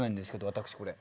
私これ。